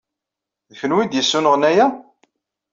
D kenwi ay d-yessunɣen aya?